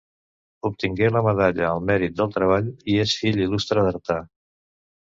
Obtengué la medalla al Mèrit del Treball i és fill il·lustre d'Artà.